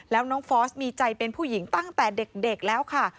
แล้วน้องฟอสมีใจเป็นผู้หญิงตั้งแต่เด็กแล้วค่ะ